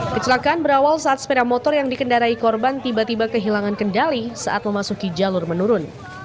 kecelakaan berawal saat sepeda motor yang dikendarai korban tiba tiba kehilangan kendali saat memasuki jalur menurun